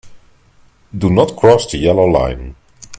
Do not cross the yellow line.